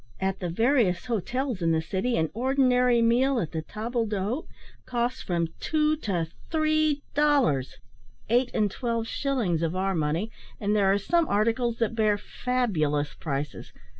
At the various hotels in the city an ordinary meal at the table d'hote costs from two to three dollars eight and twelve shillings of our money and there are some articles that bear fabulous prices.